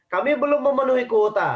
kami belum memenuhi kuota